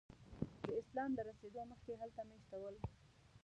د اسلام له رسېدو مخکې هلته میشته ول.